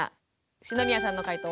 篠宮さんの解答